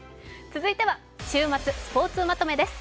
続いては週末スポーツまとめです。